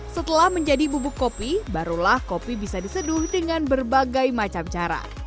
setelah menjadi bubuk kopi barulah kopi bisa diseduh dengan berbagai macam cara